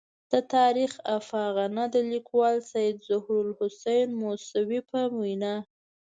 د تاریخ افاغنه د لیکوال سید ظهور الحسین موسوي په وینا.